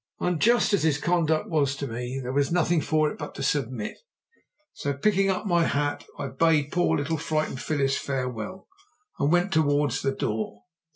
Unjust as his conduct was to me, there was nothing for it but to submit, so picking up my hat I bade poor little frightened Phyllis farewell, and went towards the door.